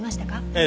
ええ。